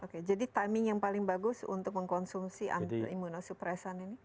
oke jadi timing yang paling bagus untuk mengkonsumsi imunosupresan ini